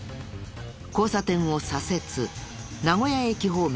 交差点を左折名古屋駅方面へ。